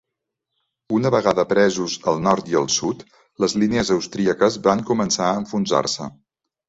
Una vegada presos el nord i el sud, les línies austríaques van començar a enfonsar-se.